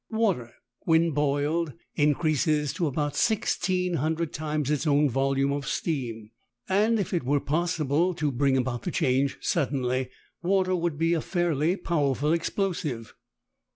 Water, when boiled, increases to about 1600 times its own volume of steam, and if it were possible to bring about the change suddenly water would be a fairly powerful explosive.